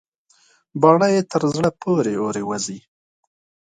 باڼه يې تر زړه پورې اورې وزي.